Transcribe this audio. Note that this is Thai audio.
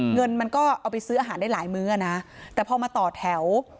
เงินมันก็เอาไปซื้ออาหารได้หลายมื้อนะแต่พอมาต่อแถว